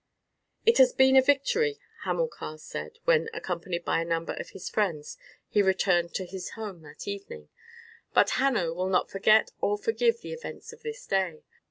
"It has been a victory," Hamilcar said, when, accompanied by a number of his friends, he returned to his home that evening, "but Hanno will not forget or forgive the events of this day.